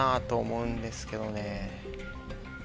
思うんですけどね。